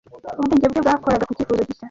Ubwenge bwe bwakoraga ku cyifuzo gishya.